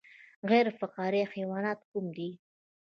غیر فقاریه حیوانات کوم دي